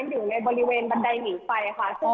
อยู่ในบริเวณบันไดหนีไฟค่ะ